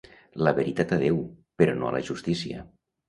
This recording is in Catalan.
La veritat a Déu, però no a la justícia.